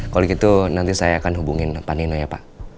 kalau gitu nanti saya akan hubungin pak nino ya pak